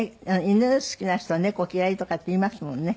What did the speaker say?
犬好きな人は猫嫌いとかって言いますもんね。